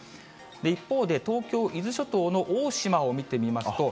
一方で、東京・伊豆諸島の大島を見てみますと。